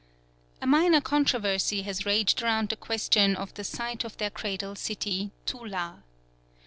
A minor controversy has raged around the question of the site of their cradle city, Tula.